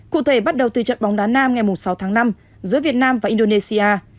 cụ thể bắt đầu từ trận bóng đá nam ngày sáu tháng năm giữa việt nam và indonesia